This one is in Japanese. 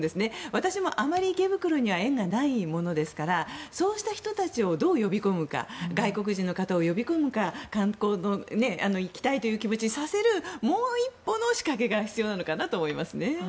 私もあまり池袋には縁がないものですからそうした人たちをどう呼び込むか外国人の人たちを呼び込むか観光に行きたいという気持ちにさせるもう一歩の仕掛けが必要なのかなと思います。